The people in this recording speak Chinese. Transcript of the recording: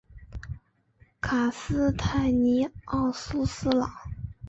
卡斯泰尼奥苏斯朗。